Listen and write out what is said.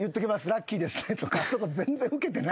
「ラッキーですね」とかあそこ全然ウケてない。